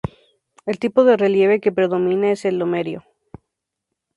El tipo de relieve que predomina es el lomerío.